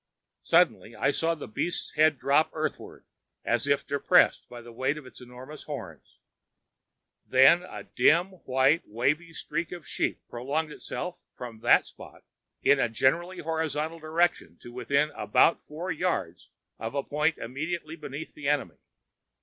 Suddenly I saw the beast's head drop earthward as if depressed by the weight of its enormous horns; then a dim, white, wavy streak of sheep prolonged itself from that spot in a generally horizontal direction to within about four yards of a point immediately beneath the enemy.